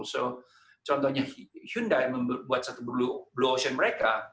contohnya hyundai membuat satu blue ocean mereka